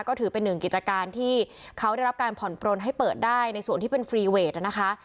ก็ถือเป็นหนึ่งกิจการที่เขาได้รับการผ่อนปลนให้เปิดได้ในส่วนที่เป็นฟรีเวทนะคะ